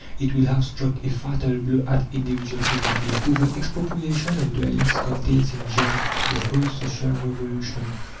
It will have struck a fatal blow at individual property. For the expropriation of dwellings contains in germ the whole social revolution.